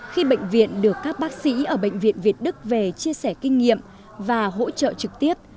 khi bệnh viện được các bác sĩ ở bệnh viện việt đức về chia sẻ kinh nghiệm và hỗ trợ trực tiếp